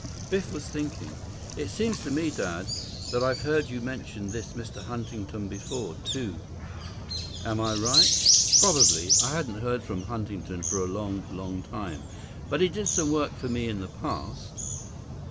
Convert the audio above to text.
9 Biff was thinking. "It seems to me, Dad, that I've heard you mention this Mr. Huntington before, too. Am I right?" "Probably. I hadn't heard from Huntington for a long, long time. But he did some work for me in the past."